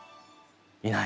いない。